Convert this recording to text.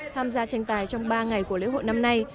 tham gia tranh tài trong ba ngày của lễ hội năm nay